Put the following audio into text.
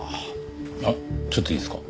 あっちょっといいですか？